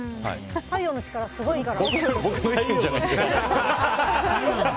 太陽の力すごいから。